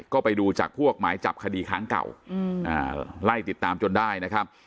ก็ไปดูจากพวกหมายจับคดีครั้งเก่าไล่ติดตามจนได้นะครับ